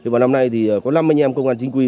và năm nay thì có năm anh em công an chính quy